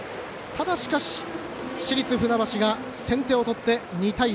ただしかし、市立船橋が先手を取って２対０。